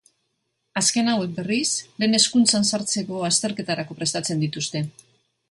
Azken hauek, berriz, lehen hezkuntzan sartzeko azterketarako prestatzen dituzte.